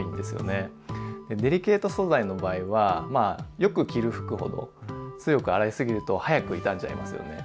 デリケート素材の場合はまあよく着る服ほど強く洗いすぎると早く傷んじゃいますよね。